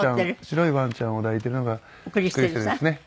白いワンちゃんを抱いてるのがクリステルですね。